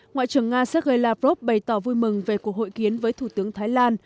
ngoại trưởng nga sergei lavrov bày tỏ vui mừng về cuộc hội kiến với thủ tướng thái lan